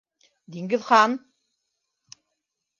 Диңгеҙхан!